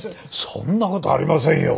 そんな事ありませんよ。